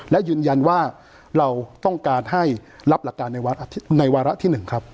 และยืนยันว่าเราต้องการให้รับหลักการในวาระที่๑ครับ